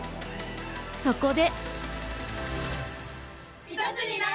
そこで。